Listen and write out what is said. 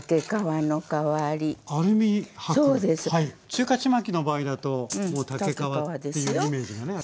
中華ちまきの場合だと竹皮っていうイメージがあってね。